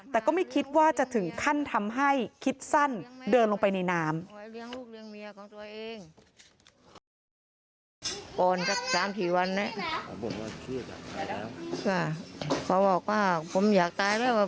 แต่ก็ไม่คิดว่าจะถึงขั้นทำให้คิดสั้นเดินลงไปในน้ำ